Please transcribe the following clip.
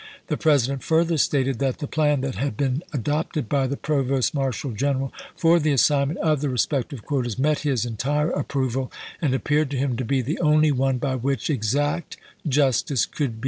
The President fur ther stated that the plan that had been adopted by the Provost Marshal General for the assignment of the re spective quotas met his entire approval, and appeared to him to be the only one by which exact justice could be secured.